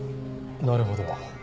なるほど。